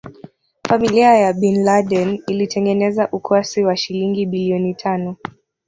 Familia ya Bin Laden ilitengeneza ukwasi wa shilingi biiloni tano